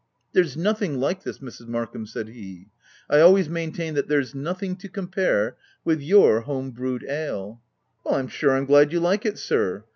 "There's nothing like this Mrs. Markham !" said he, " I always maintain that there's no thing to compare with your home brewed ale/' "I'm sure I'm glad you like it, sir.